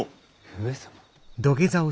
上様？